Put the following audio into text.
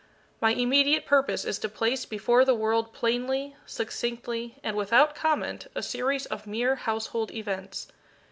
My immediate purpose is to place before the world plainly, succinctly, and without comment, a series of mere household events.